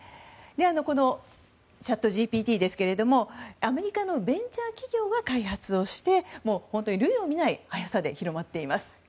このチャットＧＰＴですがアメリカのベンチャー企業が開発をして類を見ない早さで広まっています。